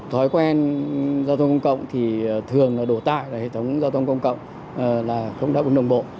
thói quen giao thông công cộng thì thường là đổ tại hệ thống giao thông công cộng là không đáp ứng đồng bộ